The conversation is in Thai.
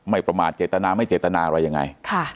ประมาทเจตนาไม่เจตนาอะไรยังไง